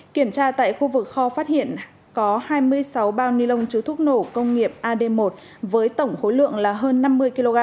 kiểm tra tại khu vực kho phát hiện có hai mươi sáu bao ni lông chứa thuốc nổ công nghiệp ad một với tổng khối lượng là hơn năm mươi kg